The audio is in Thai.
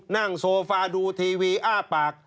นั่งโซฟาดูทีวีอ้าปาก